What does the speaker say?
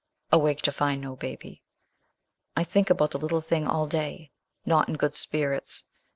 Awake to find no baby. I think about the little thing all day. Not in good spirits.